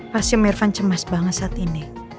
pasti irvan cemas banget saat ini